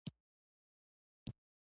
کلتوري پوهه لوړ لارښوونې شاملوي.